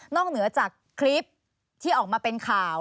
เหนือจากคลิปที่ออกมาเป็นข่าว